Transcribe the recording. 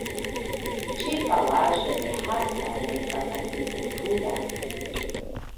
Ĉirkaŭaĵo de Hassan estas agrikultura.